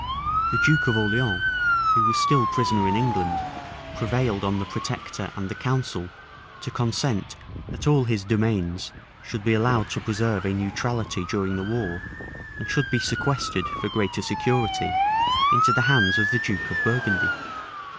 The duke of Orleans, who was still prisoner in England, prevailed on the protector and the council to consent that all his demesnes should be allowed to preserve a neutrality during the war, and should be sequestered, for greater security, into the hands of the duke of Burgundy.